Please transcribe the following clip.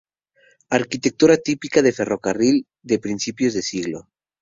Arquitectura típica de ferrocarril de principios de siglo.